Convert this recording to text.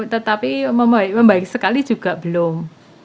tetapi membaik sekali juga belum